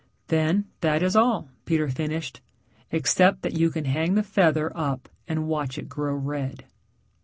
"Then that is all," Peter finished, "except that you can hang the feather up and watch it grow red."